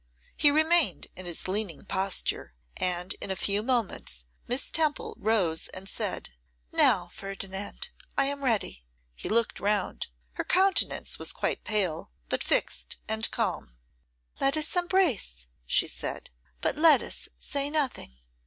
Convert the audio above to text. He remained in his leaning posture; and in a few moments Miss Temple rose and said, 'Now, Ferdinand, I am ready.' He looked round. Her countenance was quite pale, but fixed and calm. 'Let us embrace,' she said, 'but let us say nothing.